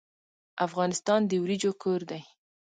افغانستان د وریجو کور دی.